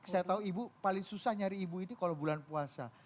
saya tahu ibu paling susah nyari ibu itu kalau bulan puasa